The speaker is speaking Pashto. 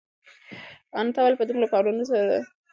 تا ولې په دومره پاملرنې سره زما د کابل د سفر پوښتنه وکړه؟